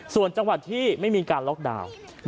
ส่วนจังหวัดที่ไม่มีการล็อกดาวน์